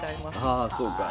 ああそうか。